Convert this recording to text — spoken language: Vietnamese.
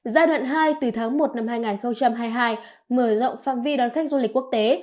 giai đoạn hai từ tháng một năm hai nghìn hai mươi hai mở rộng phạm vi đón khách du lịch quốc tế